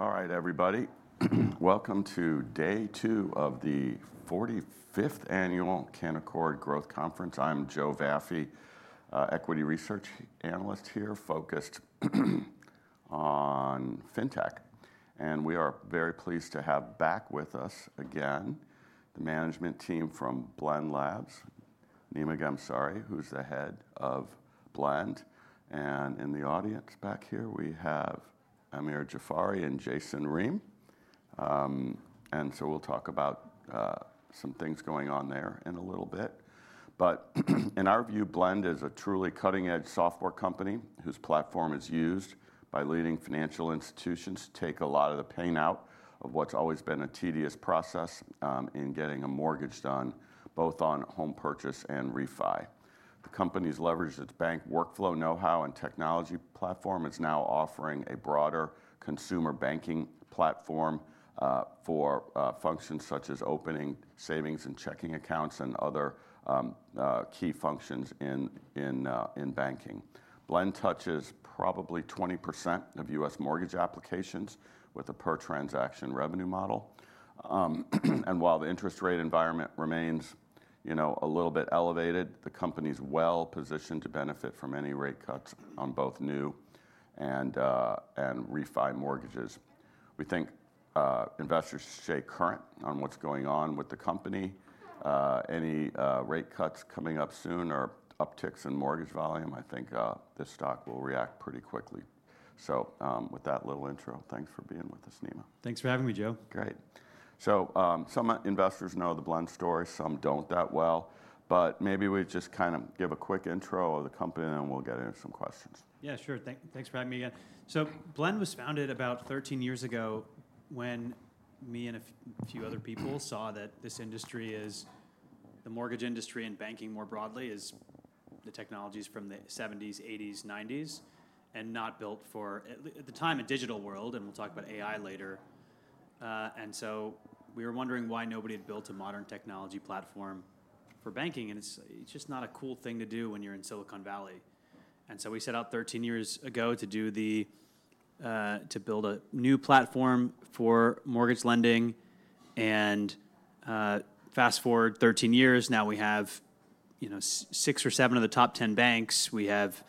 All right, Welcome to day two of the forty fifth Annual Canaccord Growth Conference. I'm Joe Vaffy, Equity Research Analyst here focused on FinTech. And we are very pleased to have back with us again the management team from Blend Labs, Neema Gamsari, who is the Head of Blend. And in the audience back here, we have Amir Jafari and Jason Reem. And so we'll talk about some things going on there in a little bit. But in our view Blend is a truly cutting edge software company whose platform is used by leading financial institutions to take a lot of the pain out of what's always been a tedious process in getting a mortgage done both on home purchase and refi. The company has leveraged its bank workflow know how and technology platform is now offering a broader consumer banking platform for functions such as opening savings and checking accounts and other key functions in banking. Blend touches probably 20% of U. S. Mortgage applications with a per transaction revenue model. And while the interest rate environment remains a little bit elevated, the company is well positioned to benefit from any rate cuts on both new and refi mortgages. We think investors should stay current on what's going on with the company. Any rate cuts coming up soon or upticks in mortgage volume, I think the stock will react pretty quickly. So with that little intro, thanks for being with us, Nima. Thanks for having me, Joe. Great. So some investors know the Blend story, some don't that well. But maybe we just kind of give a quick intro of the company and then we'll get into some questions. Yeah, sure. Thanks for having me again. So Blend was founded about thirteen years ago when me and a few other people saw that this industry is the mortgage industry and banking more broadly is the technologies from the '70s, '80s, '90s and not built for, the time, a digital world and we'll talk about AI later. And so we were wondering why nobody had built a modern technology platform for banking and it's just not a cool thing to do when you're in Silicon Valley. And so we set out thirteen years ago to do the to build a new platform for mortgage lending. And fast forward thirteen years, now we have, you know, six or seven of the top 10 banks. We have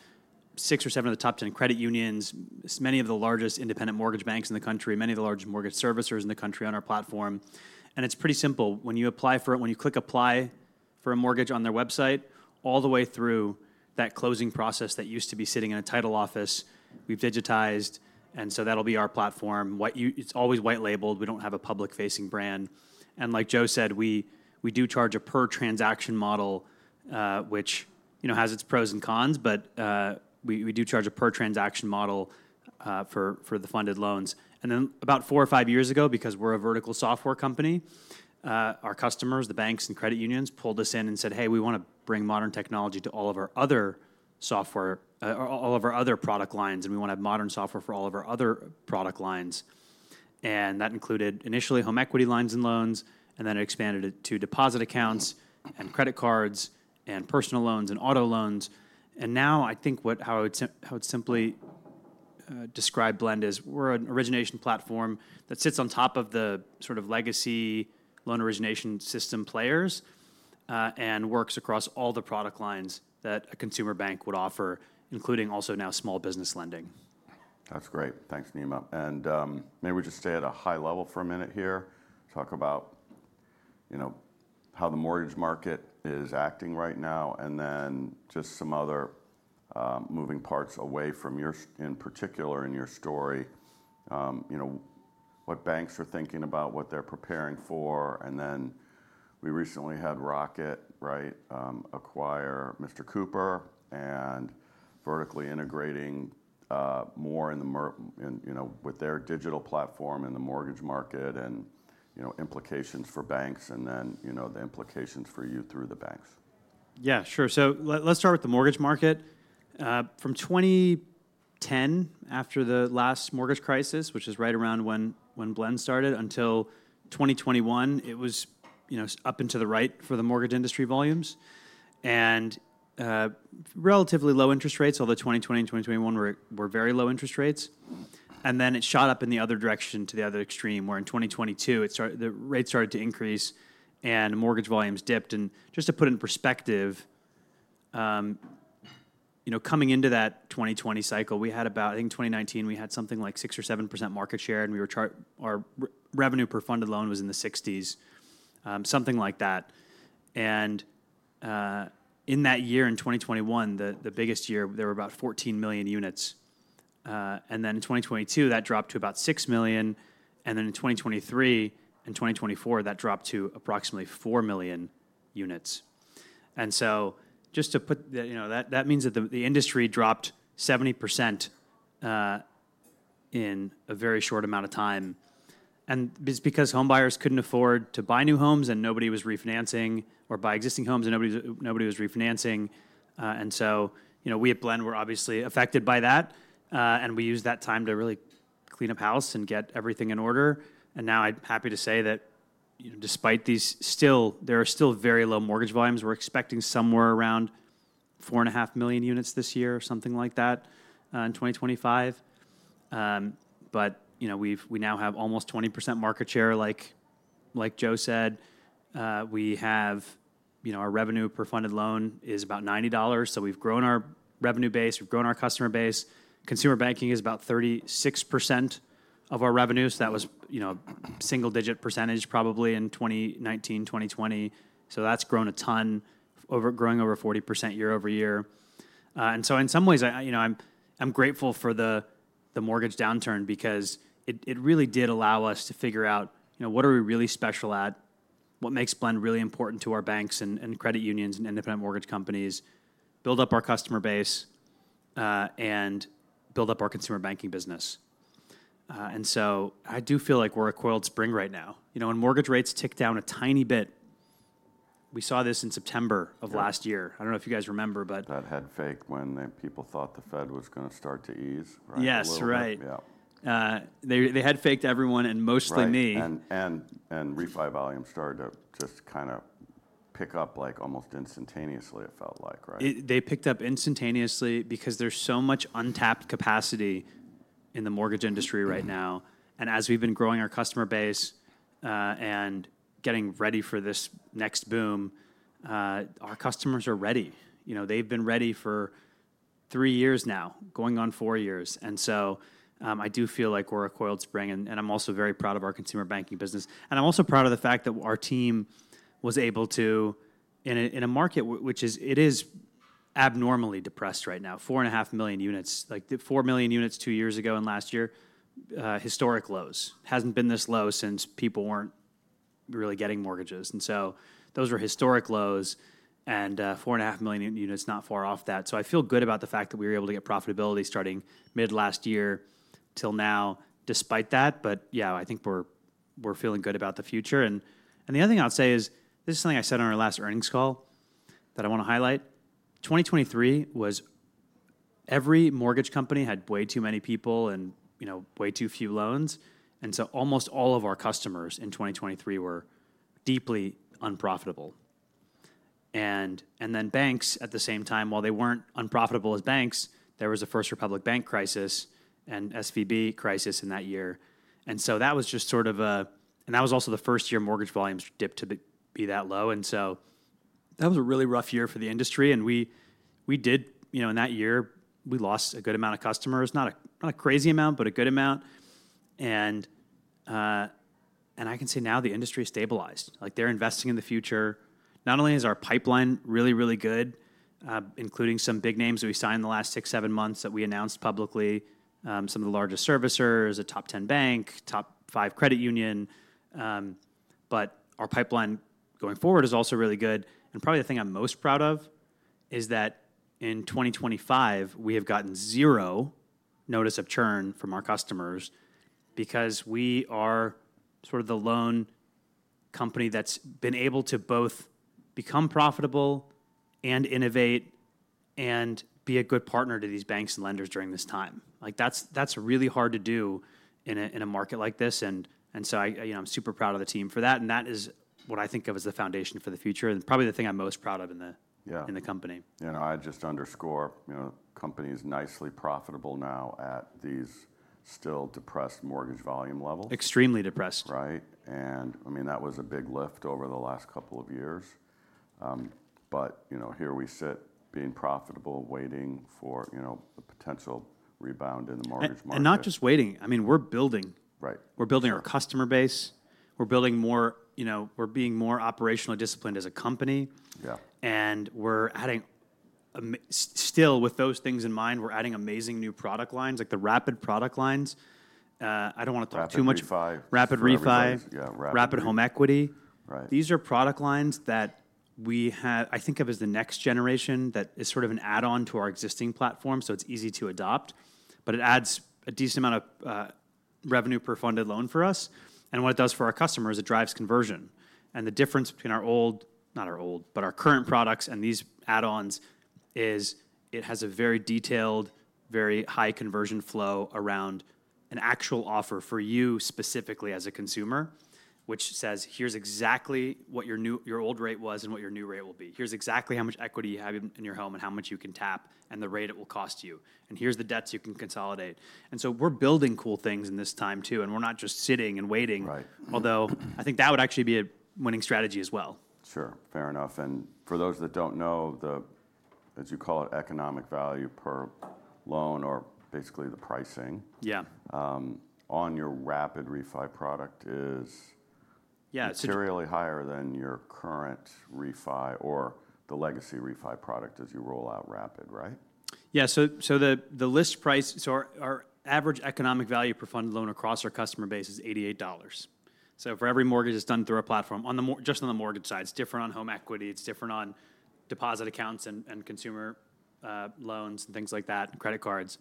six or seven of the top 10 credit unions, many of the largest independent mortgage banks in the country, many of the largest mortgage servicers in the country on our platform. And it's pretty simple. When you apply for it, when you click apply for a mortgage on their website, all the way through that closing process that used to be sitting in a title office, we've digitized. And so that'll be our platform. What you it's always white labeled. We don't have a public facing brand. And like Joe said, we we do charge a per transaction model, which, you know, has its pros and cons, but we we do charge a per transaction model for for the funded loans. And then about four or five years ago, because we're a vertical software company, our customers, the banks and credit unions, pulled us in and said, hey, we want to bring modern technology to all of our other software all of our other product lines, and we want to have modern software for all of our other product lines. And that included, initially, home equity lines and loans, and then expanded it to deposit accounts and credit cards and personal loans and auto loans. And now I think what how I would how I would simply describe Blend is we're an origination platform that sits on top of the sort of legacy loan origination system players and works across all the product lines that a consumer bank would offer, including also now small business lending. That's great. Thanks, Nima. Maybe we just stay at a high level for a minute here, talk about how the mortgage market is acting right now and then just some other moving parts away from your in particular in your story, what banks are thinking about, what they're preparing for. And then we recently had Rocket, right, acquire Mr. Cooper and vertically integrating more with their digital platform in the mortgage market and implications for banks and then the implications for you through the banks? Yes, sure. So let's start with the mortgage market. From 2010, after the last mortgage crisis, which is right around when when Blend started, until 2021, it was, you know, up into the right for the mortgage industry volumes. And relatively low interest rates, although 2020 and 2021 were were very low interest rates. And then it shot up in the other direction to the other extreme, where in 2022, it start the rates started to increase and mortgage volumes dipped. And just to put in perspective, you know, coming into that 2020 cycle, we had about think 2019, we had something like six or 7% market share, and we were chart our revenue per funded loan was in the sixties, something like that. And in that year, in 2021, the the biggest year, there were about 14,000,000 units. And then in 2022, that dropped to about 6,000,000. And then in 2023 and 2024, that dropped to approximately 4,000,000 units. And so just to put the you know, that that means that the the industry dropped 70% in a very short amount of time. And it's because homebuyers couldn't afford to buy new homes and nobody was refinancing or buy existing homes and nobody nobody was refinancing. And so, you know, we at Blend were obviously affected by that, and we used that time to really clean up house and get everything in order. And now I'm happy to say that, despite these still there are still very low mortgage volumes. We're expecting somewhere around four and a half million units this year or something like that in 2025. But, you know, we've we now have almost 20% market share like like Joe said. We have you know, our revenue per funded loan is about $90 so we've grown our revenue base. We've grown our customer base. Consumer banking is about 36% of our revenues. That was, single digit percentage probably in 2019, 2020. So that's grown a ton, growing over 40% year over year. And so in some ways, I'm grateful for the mortgage downturn because it it really did allow us to figure out, you know, what are we really special at, what makes Blend really important to our banks and and credit unions and independent mortgage companies, build up our customer base, and build up our consumer banking business. And so I do feel like we're a coiled spring right now. You know, when mortgage rates tick down a tiny bit we saw this in September I last don't know if you guys remember, but That head faked when people thought the Fed was gonna start to ease. Yes. Right. They they had faked everyone and mostly And and and refi volume started to just kind of pick up, like, almost instantaneously, it felt like. Right? They picked up instantaneously because there's so much untapped capacity in the mortgage industry right now. And as we've been growing our customer base and getting ready for this next boom, our customers are ready. You know, they've been ready for three years now, going on four years. And so I do feel like we're a coiled spring, and and I'm also very proud of our consumer banking business. And I'm also proud of the fact that our team was able to, in a market which is it is abnormally depressed right now, four and a half million units. Like, the 4,000,000 units two years ago and last year, historic lows. Hasn't been this low since people weren't really getting mortgages. And so those were historic lows, and four and a half million units not far off that. So I feel good about the fact that we were able to get profitability starting mid last year till now despite that. But, yeah, I think we're we're feeling good about the future. And and the other thing I'll say is, this is something I said on our last earnings call that I wanna highlight. 2023 was every mortgage company had way too many people and, you know, way too few loans, and so almost all of our customers in 2023 were deeply unprofitable. And and then banks, the same time, while they weren't unprofitable as banks, there was a First Republic Bank crisis and SVB crisis in that year. And so that was just sort of a and that was also the first year mortgage volumes dipped to be be that low. And so that was a really rough year for the industry, and we we did you know, in that year, we lost a good amount of customers. Not a not a crazy amount, but a good amount. And and I can say now the industry is stabilized. Like, they're investing in the future. Not only is our pipeline really, really good, including some big names that we signed in the last six, seven months that we announced publicly, some of the largest servicers, a top 10 bank, top five credit union, But our pipeline going forward is also really good. And probably the thing I'm most proud of is that in 2025, we have gotten zero notice of churn from our customers because we are sort of the loan company that's been able to both become profitable and innovate and be a good partner to these banks and lenders during this time. Like, that's that's really hard to do in a in a market like this. And and so I you know, I'm super proud of the team for that, and that is I think of as the foundation for the future and probably the thing I'm most proud of in the Yeah. And I just underscore, company is nicely profitable now at these still depressed mortgage volume levels. Extremely depressed. Right. And I mean that was a big lift over the last couple of years. But, know, here we sit being profitable waiting for, you know, the potential rebound in the mortgage And not just waiting, I mean we're building. Right. We're building our customer base, We're building more we're being more operationally disciplined as a company. And we're adding still, with those things in mind, we're adding amazing new product lines, like the rapid product lines. I don't want talk Rapid too much refi. Rapid refi. Yeah, rapid home equity. These are product lines that we have think of as the next generation that is sort of an add on to our existing platform, it's easy to adopt. But it adds a decent amount of revenue per funded loan for us. And what it does for our customers, it drives conversion. And the difference between our old not our old, but our current products and these add ons is it has a very detailed, very high conversion flow around an actual offer for you specifically as a consumer, which says, here's exactly what your new your old rate was and what your new rate will be. Here's exactly how much equity you have in in your home and how much you can tap and the rate it will cost you. Here's the debts you can consolidate. And so we're building cool things in this time too and we're not just sitting and waiting. Although I think that would actually be a winning strategy as well. Sure. Fair enough. And for those that don't know, as you call it, value per loan or basically the pricing Yeah. On your rapid refi product is Yeah. It's materially higher than your current refi or the legacy refi product as you roll out Rapid, right? Yeah. So the list price so our average economic value per fund loan across our customer base is $88 So for every mortgage is done through our platform on the just on the mortgage side, it's different on home equity, it's different on deposit accounts and consumer loans and things like that and credit cards.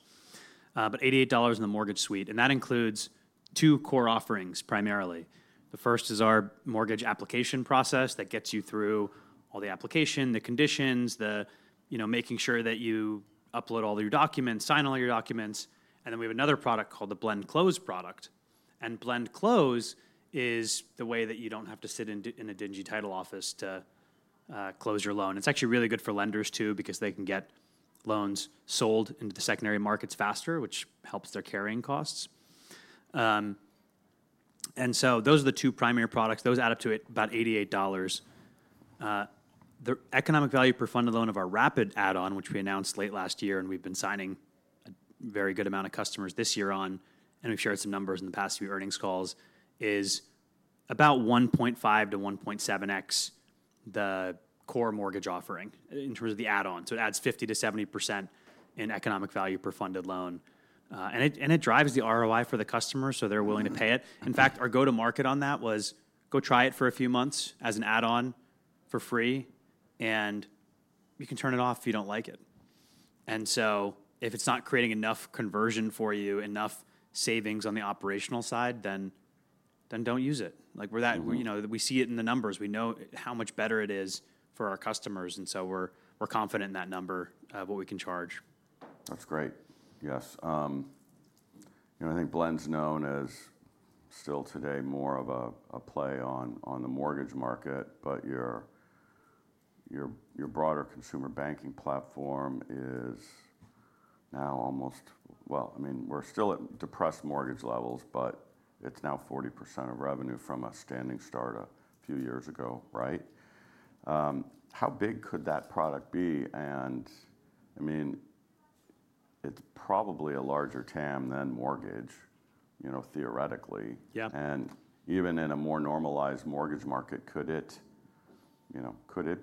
But $88 in the mortgage suite, and that includes two core offerings primarily. The first is our mortgage application process that gets you through all the application, the conditions, the you know, making sure that you upload all your documents, sign all your documents. And then we have another product called the blend close product. And blend close is the way that you don't have to sit in in a dingy title office to close your loan. It's actually really good for lenders too because they can get loans sold into the secondary markets faster, which helps their carrying costs. And so those are the two primary products. Those add up to it about $88. The economic value per fund of loan of our rapid add on, which we announced late last year and we've been signing a very good amount of customers this year on, and we've shared some numbers in the past few earnings calls, is about 1.5 to 1.7 x the core mortgage offering in terms of the add on. So it adds 50 to 70% in economic value per funded loan. And it and it drives the ROI for the customer, so they're willing to pay it. In fact, our go to market on that was go try it for a few months as an add on for free, and you can turn it off if you don't like it. And so if it's not creating enough conversion for you, enough savings on the operational side, then then don't use it. Like we're that we see it in the numbers. We know how much better it is for our customers. And so we're confident in that number of what we can charge. That's great. Yes. I think Blend is known as still today more of a play on the mortgage market, but your broader consumer banking platform is now almost well, I mean, we're still at depressed mortgage levels, but it's now 40% of revenue from a standing start a few years ago, right? How big could that product be? And I mean, it's probably a larger TAM than mortgage theoretically. And even in a more normalized mortgage market, could it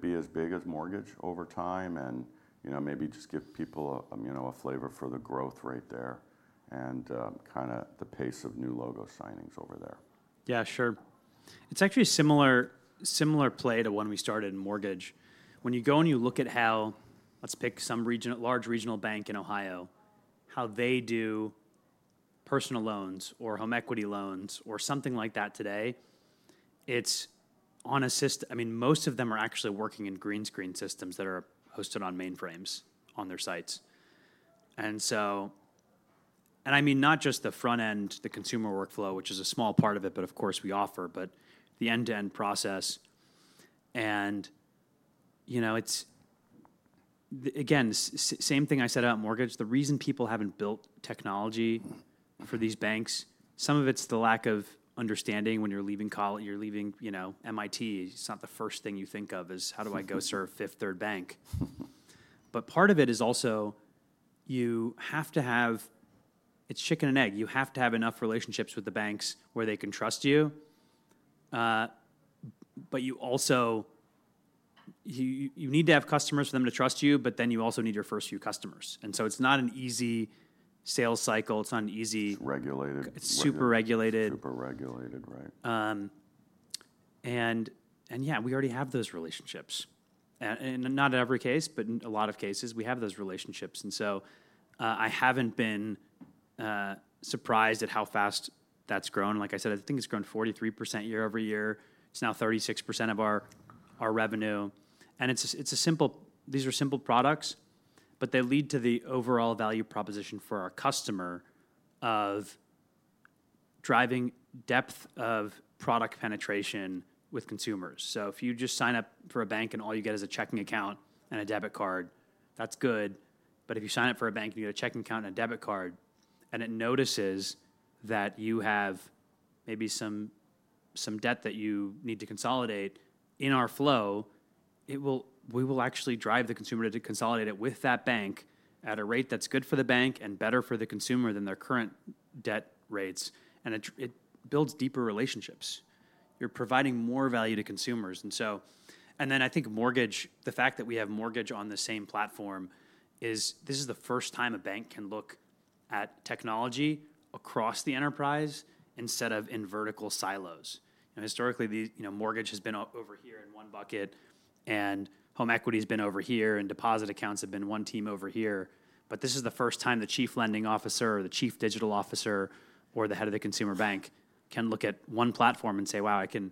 be as big as mortgage over time and maybe just give people a flavor for the growth rate there and kind of the pace of new logo signings over there. Yeah, sure. It's actually similar similar play to when we started in mortgage. When you go and you look at how, let's pick some region large regional bank in Ohio, how they do personal loans or home equity loans or something like that today, it's on a sys I mean, most of them are actually working in green screen systems that are hosted on mainframes on their sites. And so and I mean, not just the front end, the consumer workflow, which is a small part of it, but of course, we offer, but the end to end process. And, you know, it's again, same thing I said on mortgage. The reason people haven't built technology for these banks, some of it's the lack of understanding when you're leaving call you're leaving, you know, MIT. It's not the first thing you think of is how do I go serve Fifth Third Bank. But part of it is also you have to have it's chicken and egg. You have to have enough relationships with the banks where they can trust you, but you also you you need to have customers for them to trust you, but then you also need your first few customers. And so it's not an easy sales cycle. It's not an easy It's regulated. It's super regulated. Super regulated. Right. And and, yeah, we already have those relationships. And and not in every case, but in a lot of cases, we have those relationships. And so I haven't been surprised at how fast that's grown. Like I said, I think it's grown 43% year over year. It's now 36% of our our revenue. And it's it's a simple these are simple products, but they lead to the overall value proposition for our customer of driving depth of product penetration with consumers. So if you just sign up for a bank and all you get is a checking account and a debit card, that's good. But if you sign up for a bank and you get a checking account and a debit card and it notices that you have maybe some some debt that you need to consolidate in our flow, it will we will actually drive the consumer to consolidate it with that bank at a rate that's good for the bank and better for the consumer than their current debt rates, and it it builds deeper relationships. You're providing more value to consumers. And so and then I think mortgage the fact that we have mortgage on the same platform is this is the first time a bank can look at technology across the enterprise instead of in vertical silos. Historically, the you know, mortgage has been over here in one bucket, and home equity has been over here, and deposit accounts have been one team over here. But this is the first time the chief lending officer or the chief digital officer or the head of the consumer bank can look at one platform and say, wow, I can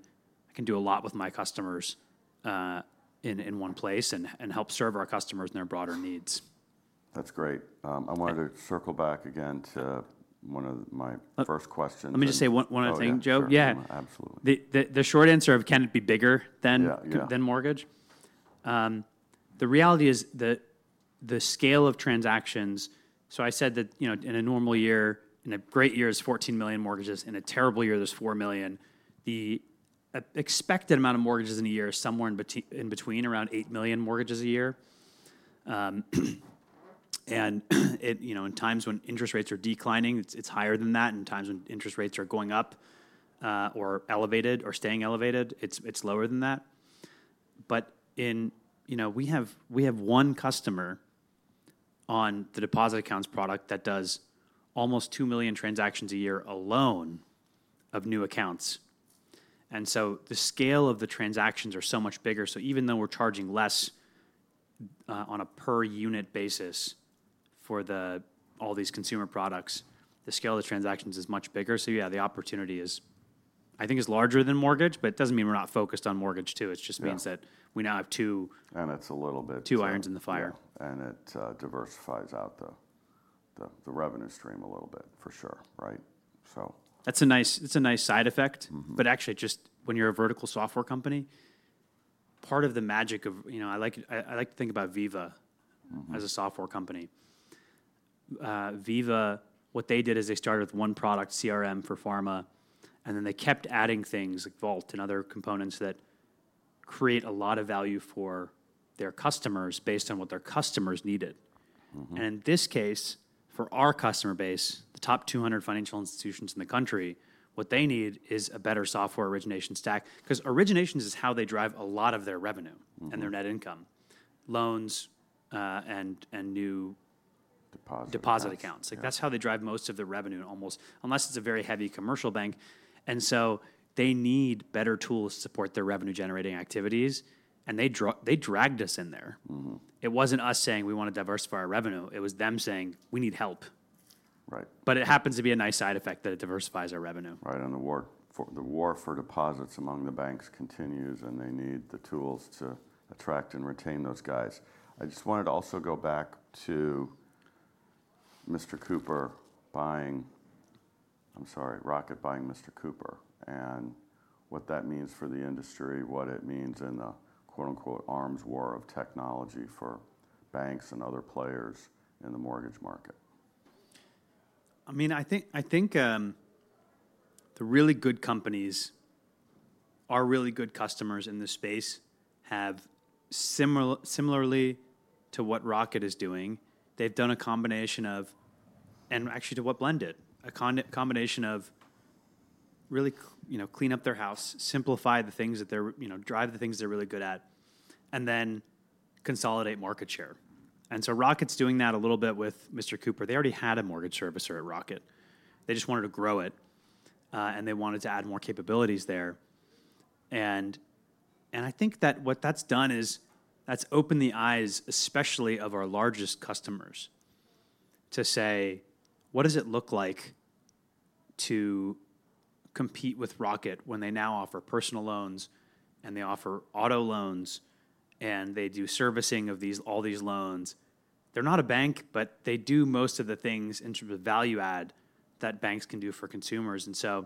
do a lot with my customers in one place and help serve our customers and their broader needs. That's great. I wanted to circle back again to one of my first questions. Let me just say one one other thing, Joe. Yeah. Absolutely. The the the short answer of can it be bigger than Yeah. Than mortgage? The reality is that the scale of transactions so I said that, you know, in a normal year, in a great year, it's 14,000,000 mortgages. In a terrible year, there's 4,000,000. The expected amount of mortgages in a year is somewhere in between in between around 8,000,000 mortgages a year. And it you know, in times when interest rates are declining, it's it's higher than that. In times when interest rates are going up or elevated or staying elevated, it's it's lower than that. But in you know, we have we have one customer on the deposit accounts product that does almost 2,000,000 transactions a year alone of new accounts. And so the scale of the transactions are so much bigger. So even though we're charging less on a per unit basis for the all these consumer products. The scale of transactions is much bigger. So yeah, the opportunity is I think it's larger than mortgage, but it doesn't mean we're not focused on mortgage too. Just means that we now have two And it's a little bit irons in the fire. And it diversifies out the revenue stream a little bit for sure, right? That's a nice side effect. But actually, just when you're a vertical software company, part of the magic of you know, I like I like to think about Veeva as a software company. Veeva, what they did is they started with one product, CRM for pharma, and then they kept adding things like Vault and other components that create a lot of value for their customers based on what their customers needed. Mhmm. And in this case, for our customer base, the top 200 financial institutions in the country, what they need is a better software origination stack. Because originations is how they drive a lot of their revenue and their net income. Loans and and new Deposit. Deposit accounts. Like, that's how they drive most of their revenue almost, unless it's a very heavy commercial bank. And so they need better tools to support their revenue generating activities, and they dragged us in there. It wasn't us saying we want to diversify our revenue, it was them saying we need help. Right. But it happens to be a nice side effect that it diversifies our revenue. Right. And the war for deposits among the banks continues, and they need the tools to attract and retain those guys. I just wanted to also go back to Rocket buying Mr. Cooper and what that means for the industry, what it means in arms war of technology for banks and other players in the mortgage market? I mean, I think the really good companies are really good customers in this space have similar similarly to what Rocket is doing, they've done a combination of and actually to what Blend did. A con combination of really, you know, clean up their house, simplify the things that they're you know, drive the things they're really good at, and then consolidate market share. And so Rocket's doing that a little bit with mister Cooper. They already had a mortgage servicer at Rocket. They just wanted to grow it, and they wanted to add more capabilities there. And and I think that what that's done is that's opened the eyes, especially of our largest customers, to say, what does it look like to compete with Rocket when they now offer personal loans and they offer auto loans and they do servicing of these all these loans? They're not a bank, but they do most of the things in terms of value add that banks can do for consumers. And so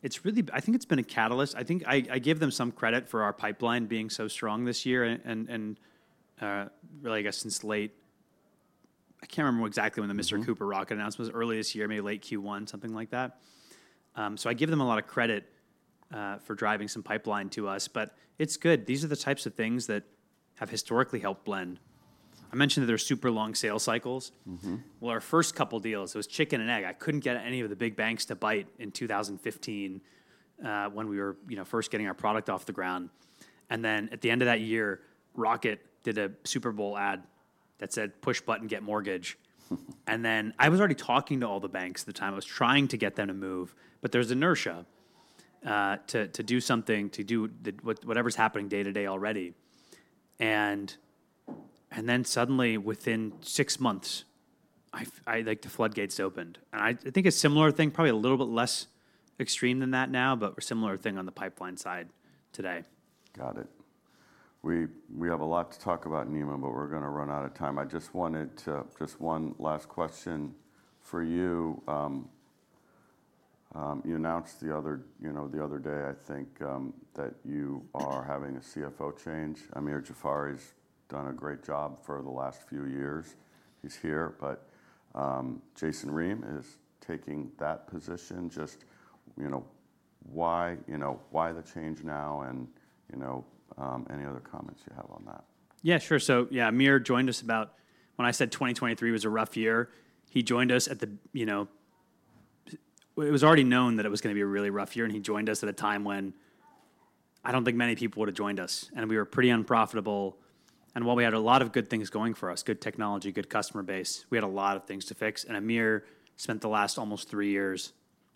it's really I think it's been a catalyst. I think I I give them some credit for our pipeline being so strong this year and and and, really, I guess, since late. I can't remember exactly when the Mr. Cooper rocket announcement. Was early this year, maybe late q one, something like that. So I give them a lot of credit for driving some pipeline to us, but it's good. These are the types of things that have historically helped blend. I mentioned that they're super long sales cycles. Mhmm. Well, our first couple deals, it was chicken and egg. I couldn't get any of the big banks to bite in 2015 when we were, you know, first getting our product off the ground. And then at the end of that year, Rocket did a Super Bowl ad that said push button, get mortgage. And then I was already talking to all the banks at the time. I was trying to get them to move, but there's inertia to to do something, to do the what whatever's happening day to day already. And then suddenly, within six months, the floodgates opened. And I think a similar thing, probably a little bit less extreme than that now, but a similar thing on the pipeline side today. Got it. We have a lot to talk about Neiman, we're going to run out of time. I just wanted to just one last question for you. You announced the other day, I think, that you are having a CFO change. Amir Jafari has done a great job for the last few years. He is here, but Jason Ream is taking that position. Just why, you know, why the change now and, you know, any other comments you have on that? Yeah, sure. So, yeah, Amir joined us about when I said 2023 was a rough year, he joined us at the, you know, it was already known that it was gonna be a really rough year, he joined us at a time when I don't think many people would have joined us. And we were pretty unprofitable. And while we had a lot of good things going for us, good technology, good customer base, we had a lot of things to fix. And Amir spent the last almost three years,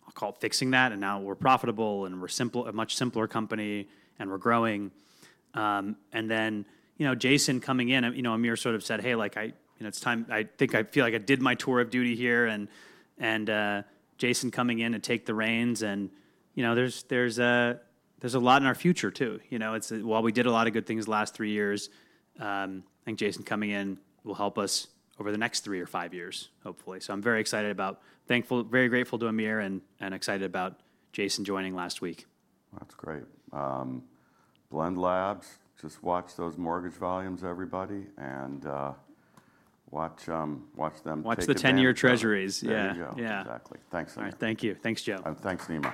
I'll call it, fixing that. And now we're profitable, and we're simple a much simpler company, and we're growing. And then, you know, Jason coming in, you know, Amir sort of said, hey. Like, I you know, it's time I think I feel like I did my tour of duty here, and and Jason coming in and take the reins. And, you know, there's there's a there's a lot in our future too. You know? It's while we did a lot of good things last three years, I think Jason coming in will help us over the next three or five years, hopefully. So I'm very excited about thankful very grateful to Amir and excited about Jason joining last week. That's great. Blend Labs, just watch those mortgage volumes everybody and watch watch them Watch the ten year treasuries. Yeah. Yeah. Exactly. Thanks, Nemo. Alright. Thank you. Thanks, Joe. Thanks, Nemo.